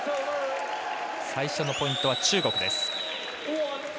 最初のポイントは中国です。